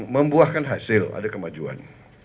membuahkan hasil ada kemajuan